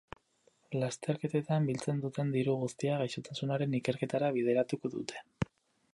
Lasterketan biltzen duten diru guztia gaixotasunaren ikerketara bideratuko dute.